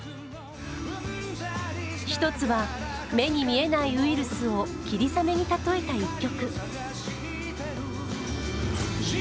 １つは、目に見えないウイルスを霧雨に例えた一曲。